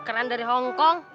keren dari hongkong